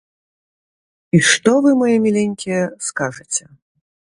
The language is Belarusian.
І што вы, мае міленькія, скажаце?